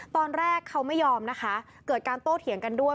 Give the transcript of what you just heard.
ตอนแรกเขาไม่ยอมนะคะเกิดการโต้เถียงกันด้วย